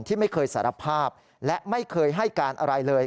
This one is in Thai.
ที่ไม่เคยสารภาพและไม่เคยให้การอะไรเลย